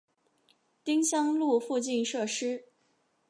丁香路附近设施